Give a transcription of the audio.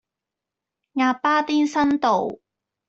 鴨巴甸新道